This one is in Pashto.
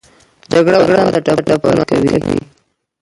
جګړه وطن ته ټپونه ورکوي